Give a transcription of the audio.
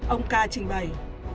ông k trình bày